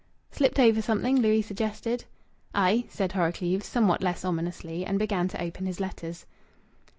"Slipped over something?" Louis suggested. "Aye!" said Horrocleave, somewhat less ominously, and began to open his letters.